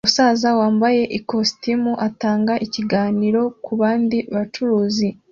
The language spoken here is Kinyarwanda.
Umusaza wambaye ikositimu atanga ikiganiro kubandi bacuruzi